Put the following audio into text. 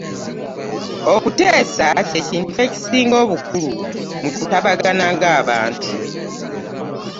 Okuteesa kye kintu ekisinga obukulu mu kutabagana ng'abantu.